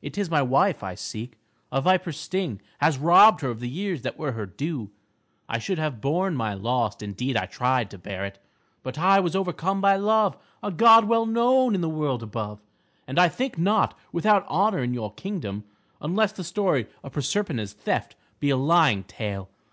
It is my wife I seek. A viper's sting has robbed her of the years that were her due. I should have borne my loss, indeed I tried to bear it, but I was overcome by Love, a god well known in the world above, and I think not without honor in your kingdom, unless the story of Proserpina's theft be a lying tale.